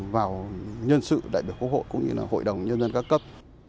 vào nhân sự đại biểu quốc hội cũng như là hội đồng nhân dân các cấp